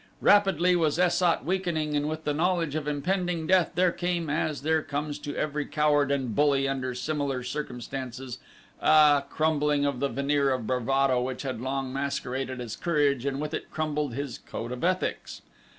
Rapidly was Es sat weakening and with the knowledge of impending death there came, as there comes to every coward and bully under similar circumstances, a crumbling of the veneer of bravado which had long masqueraded as courage and with it crumbled his code of ethics.